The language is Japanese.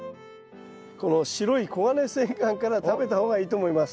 この白いコガネセンガンから食べた方がいいと思います。